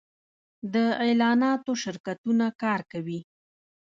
د اعلاناتو شرکتونه کار کوي